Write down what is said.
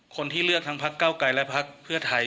คนที่เลือกทั้งพักเก้าไกรและพักเพื่อไทย